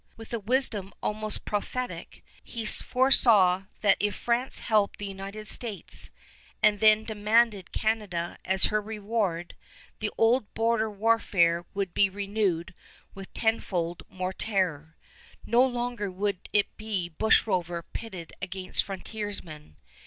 With a wisdom almost prophetic, he foresaw that if France helped the United States, and then demanded Canada as her reward, the old border warfare would be renewed with tenfold more terror. No longer would it be bushrover pitted against frontiersmen.